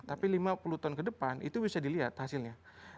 tapi lima puluh tahun ke depan itu bisa dilihat hasilnya